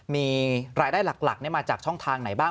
มีรายได้หลักมาจากช่องทางไหนบ้าง